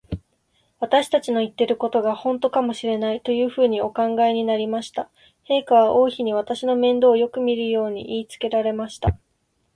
私たちの言ってることが、ほんとかもしれない、というふうにお考えになりました。陛下は王妃に、私の面倒をよくみるように言いつけられました。